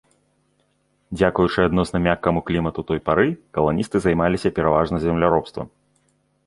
Дзякуючы адносна мяккаму клімату той пары, каланісты займаліся пераважна земляробствам.